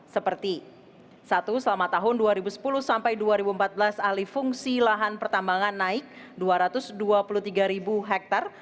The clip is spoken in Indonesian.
seperti satu selama tahun dua ribu sepuluh sampai dua ribu empat belas alih fungsi lahan pertambangan naik dua ratus dua puluh tiga ribu hektare